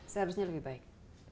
seharusnya lebih baik